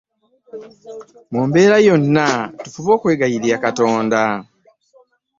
Mu mbeera yonna tufube kwegayirira Katonda.